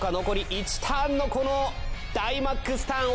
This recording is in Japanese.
１ターンのこのダイマックスターン。